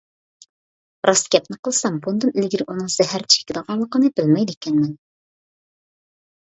راست گەپنى قىلسام بۇندىن ئىلگىرى ئۇنىڭ زەھەر چېكىدىغانلىقىنى بىلمەيدىكەنمەن.